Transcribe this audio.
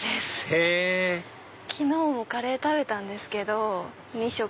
へぇ昨日もカレー食べたんですけど２食。